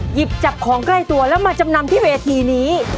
หยิบจับของใกล้ตัวแล้วมาจำนำที่เวทีนี้